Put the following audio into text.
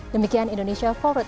demikian indonesia forward